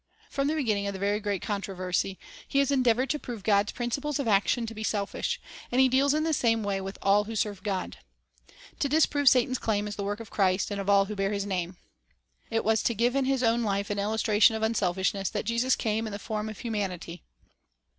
From the beginning of the great controversy he has endeavored to prove God's principles of action to be selfish, and he deals in the same way with all who serve God. To disprove Satan's claim is the work of Christ and of all who bear His name. It was to give in His own life an illustration of unselfishness that Jesus came in the form of humanity.